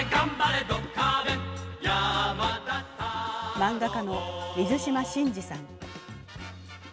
漫画家の水島新司さん。